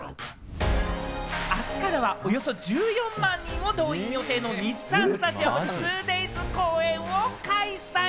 あすからは、およそ１４万人を動員予定の日産スタジアム、２デイズ公演を開催。